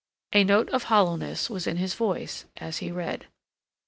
A note of hollowness was in his voice as he read.